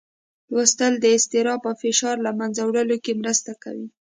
لوستل د اضطراب او فشار له منځه وړلو کې مرسته کوي.